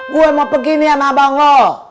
gue mau pergi nih sama abang lo